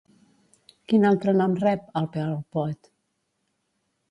Quin altre nom rep el Pearl Poet?